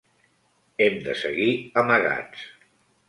Hem de seguir amagats.